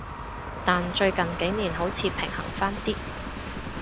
但最近幾年好似平衡返啲